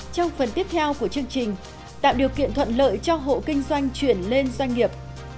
trong phần tiếp theo của chương trình tạo điều kiện thuận lợi cho hộ kinh doanh chuyển lên doanh nghiệp